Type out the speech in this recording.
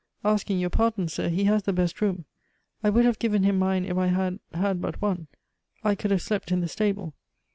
"Asking your pardon, sir, he has the best room. I would have given him mine if I had had but one; I could have slept in the stable.